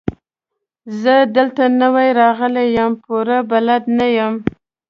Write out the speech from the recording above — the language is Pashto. زه دلته نوی راغلی يم، پوره بلد نه يم.